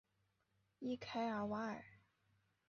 伊凯尔瓦尔。